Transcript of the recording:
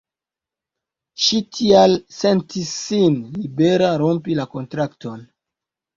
Ŝi tial sentis sin libera rompi la kontrakton.